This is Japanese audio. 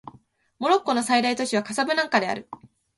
モロッコの最大都市はカサブランカである